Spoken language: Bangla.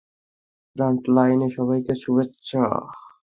ফ্রন্টলাইনে সবাইকে শুভেচ্ছা।